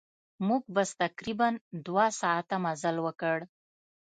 زموږ بس تقریباً دوه ساعته مزل وکړ.